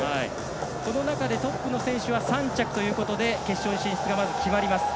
この中でトップの選手は３着ということで決勝に進出が決まります。